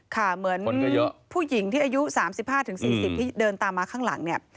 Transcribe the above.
เหมือนผู้หญิงที่อายุ๓๕๔๐ที่เดินตามมาข้างหลังเนี่ย